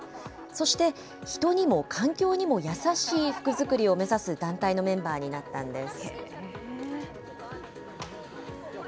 そして人にも環境にも優しい服作りを目指す団体のメンバーになったんです。